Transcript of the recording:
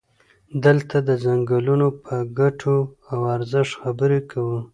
دلته د څنګلونو په ګټو او ارزښت خبرې کوو.